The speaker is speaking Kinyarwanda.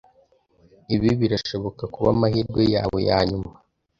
Ibi birashobora kuba amahirwe yawe yanyuma.